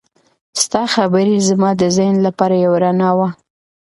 ستا خبرې زما د ذهن لپاره یو رڼا وه.